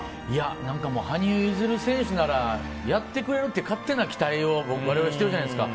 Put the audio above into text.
何か羽生結弦選手ならやってくれるって勝手な期待を我々、しているじゃないですか。